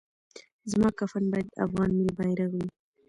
زما کفن باید افغان ملي بیرغ وي